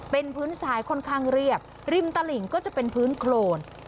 เป็นพื้นทรายค่อนข้างเรียบริมตลิ่งก็จะเป็นพื้นโครน